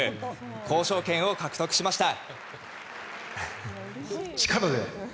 交渉権を獲得しました。